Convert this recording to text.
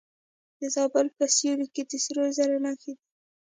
د زابل په سیوري کې د سرو زرو نښې شته.